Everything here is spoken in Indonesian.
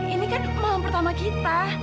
ini kan malam pertama kita